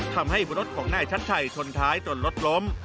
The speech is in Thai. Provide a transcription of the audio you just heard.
ทำให้รถของนายชัดชัยชนท้ายจนรถล้ม